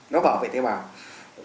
nó bảo vệ tế bào